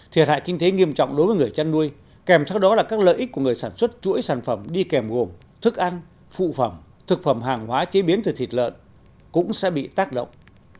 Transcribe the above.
thiệt hại kinh tế nghiêm trọng đối với người chăn nuôi kèm theo đó là các lợi ích của người sản xuất chuỗi sản phẩm đi kèm gồm thức ăn phụ phẩm thực phẩm hàng hóa chế biến từ thịt lợn cũng sẽ bị tác động